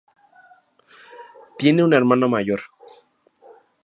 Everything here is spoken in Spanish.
Tiene una hermana mayor.